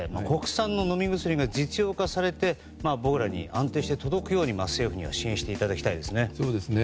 国産の飲み薬が実用化されて僕らに安定して届くように政府には支援していただきたいですね。